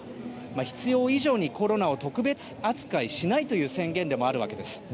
必要以上にコロナを特別扱いしないという宣言でもあるわけです。